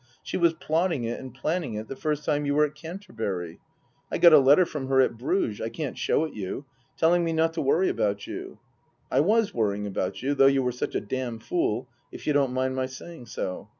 She was plotting it and planning it the first time you were at Canterbury. I got a letter from her at Bruges I can't show it you telling me not to worry about you I was worrying about you, though you were such a damn fool, if you don't mind my saying so.